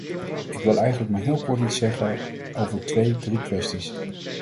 Ik wil eigenlijk maar heel kort iets zeggen over twee, drie kwesties.